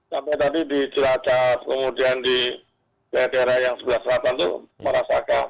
sampai tadi di cilacap kemudian di daerah daerah yang sebelah selatan itu merasakan